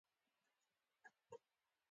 د حقیرو وسوسو کمولو لاره دا نه ده.